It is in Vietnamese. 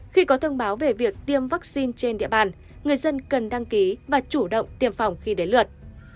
khi có thông báo về việc tiêm vaccine trên địa bàn người dân cần đăng ký và chủ động tiêm phòng khi đến lượt